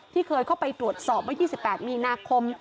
ที่เคยเข้าไปตรวจสอบว่า๒๘มีนาคม